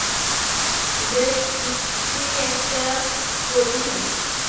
বেশ বিশ্রী একটা পোজিশন।